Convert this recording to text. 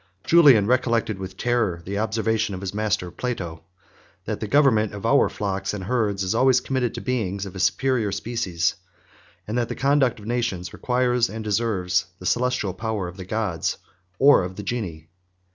46 Julian recollected with terror the observation of his master Plato, 47 that the government of our flocks and herds is always committed to beings of a superior species; and that the conduct of nations requires and deserves the celestial powers of the gods or of the genii.